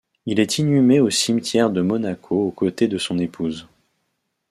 Il est inhumé au cimetière de Monaco aux côtés de son épouse.